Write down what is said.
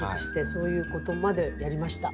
そういうことまでやりました。